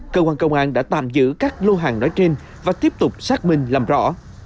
cơ quan công an đã tạm giữ các lô hàng nói trên và tiếp tục xác minh làm rõ